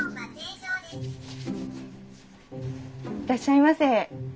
いらっしゃいませ。